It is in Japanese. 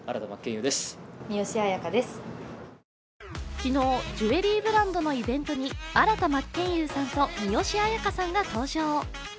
昨日、ジュエリーブランドのイベントに新田真剣佑さんと三吉彩花さんが登場。